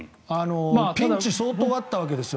ピンチ、相当あったわけですよ。